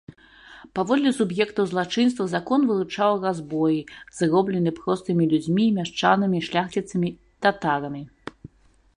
Паводле суб'ектаў злачынства закон вылучаў разбоі, зроблены простымі людзьмі, мяшчанамі, шляхціцамі, татарамі.